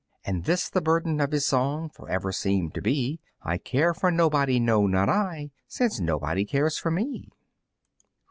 And this the burden of his song Forever seemed to be: I care for nobody, no! not I, Since nobody cares for me.